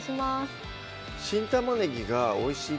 新玉ねぎがおいしい